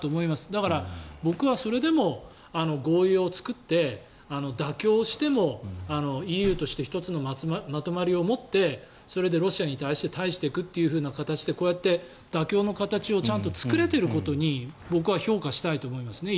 だから僕はそれでも合意を作って妥協してもＥＵとして一つのまとまりを持ってそれでロシアに対して対峙していくというこうやって妥協の形をちゃんと作れていることに僕は評価したいと思いますね。